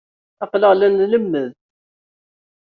Aql-aɣ la nlemmed.